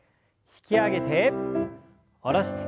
引き上げて下ろします。